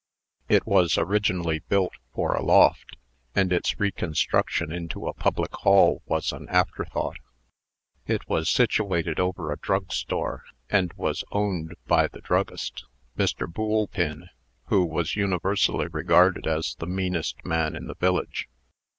It was originally built for a loft, and its reconstruction into a public hall was an afterthought. It was situated over a drug store, and was owned by the druggist, Mr. Boolpin, who was universally regarded as the meanest man in the village.